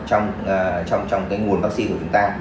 trong cái nguồn vaccine của chúng ta